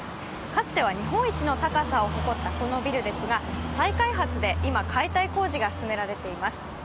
かつては日本一の高さを誇ったこのビルですが、再開発で今、解体工事が進められています。